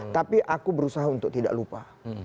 tapi aku berusaha untuk tidak lupa